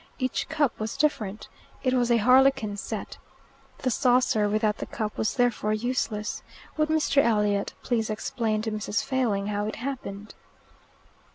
Each cup was different. It was a harlequin set. The saucer, without the cup, was therefore useless. Would Mr. Elliot please explain to Mrs. Failing how it happened.